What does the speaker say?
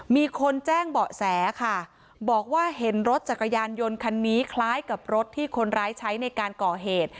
มีคนแจ้งเบาะแสค่ะบอกว่าเห็นรถจักรยานยนต์คันนี้คล้ายกับรถที่คนร้ายใช้ในการก่อเหตุ